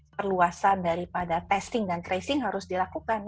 perluasan daripada testing dan tracing harus dilakukan